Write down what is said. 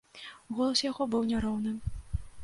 Голас яго быў няроўным.